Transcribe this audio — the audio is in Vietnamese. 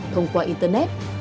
thông tin về internet